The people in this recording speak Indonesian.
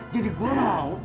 jadi gue mau